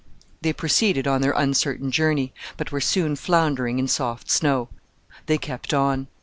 They proceeded on their uncertain journey, but were soon floundering in soft snow. They kept on.